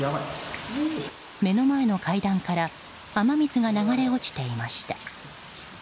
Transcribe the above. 目の前の階段から雨水が流れ落ちていました。